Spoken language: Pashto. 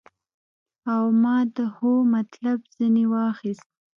او ما د هو مطلب ځنې واخيست.